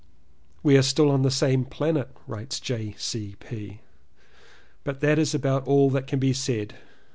"We are still on the same planet," writes J. C. P. "but that is about all that can be said."